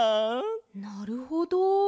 なるほど。